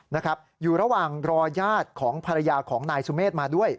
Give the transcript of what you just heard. นะครับอยู่ระหว่างรอญาติของภรรยาของนายสุเมฆมาด้วย